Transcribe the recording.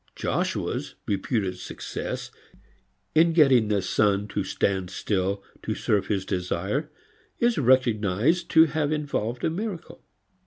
Joshua's reputed success in getting the sun to stand still to serve his desire is recognized to have involved a miracle.